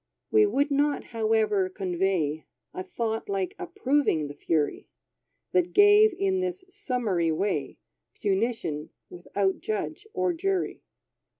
We would not, however, convey A thought like approving the fury, That gave, in this summary way, Punition without judge or jury.